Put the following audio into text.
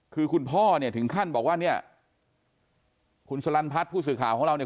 คือคุณพ่อเนี่ยถึงขั้นบอกว่าเนี่ยคุณสลันพัฒน์ผู้สื่อข่าวของเราเนี่ย